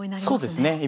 そうですね。